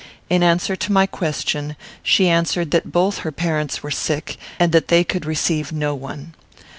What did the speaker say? In answer to my question, she answered that both her parents were sick, and that they could receive no one.